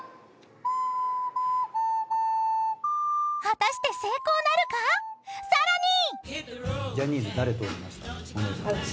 ［果たして成功なるか⁉さらに］